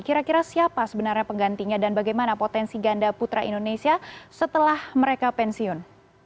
kira kira siapa sebenarnya penggantinya dan bagaimana potensi ganda putra indonesia setelah mereka pensiun